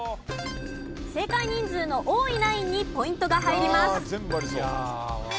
正解人数の多いナインにポイントが入ります。